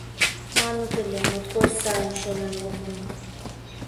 Маныт ыле: моткоч сайын шонен лукмо.